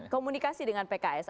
komunikasi dengan pks